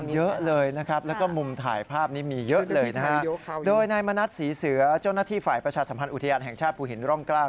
เพราะว่าไล่นี้ก็ถือว่ายังดูได้สวยงามอยู่กัน